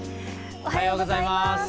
おはようございます。